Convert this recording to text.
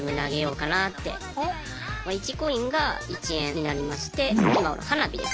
１コインが１円になりまして今花火ですね